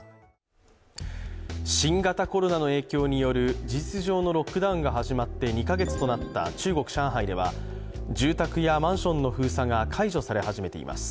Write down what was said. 新型コロナの影響による事実上のロックダウンが始まって２カ月となった中国・上海では住宅やマンションの封鎖が解除され始めています。